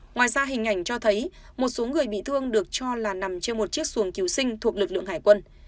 ngoài ra hình ảnh cho thấy một số người bị thương được cho là nằm trên một chiếc xuồng cứu sinh thuộc lực lượng hải quân